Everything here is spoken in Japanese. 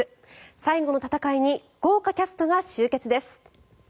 最後の戦いに豪華キャストが集結です。